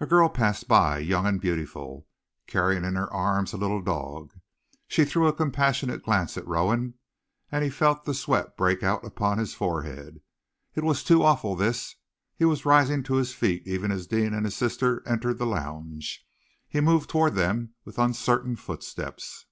A girl passed by, young and beautiful, carrying in her arms a little dog. She threw a compassionate glance at Rowan, and he felt the sweat break out upon his forehead. It was too awful, this! He was rising to his feet even as Deane and his sister entered the lounge. He moved toward them with uncertain footsteps.